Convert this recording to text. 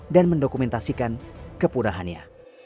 dan mendokumentasikan kepunahannya